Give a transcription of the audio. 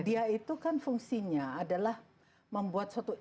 dia itu kan fungsinya adalah membuat suatu